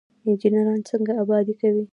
انجنیران څنګه ابادي کوي؟